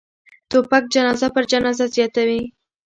توپک جنازه پر جنازه زیاتوي.